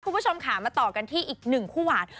คุณผู้ชมค่ะมาต่อกันที่อีกหนึ่งคู่หวาน